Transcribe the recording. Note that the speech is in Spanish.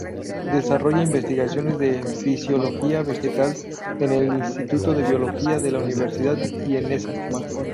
Desarrolla investigaciones de Fisiología Vegetal en el Instituto de Biología de la Universidad vienesa.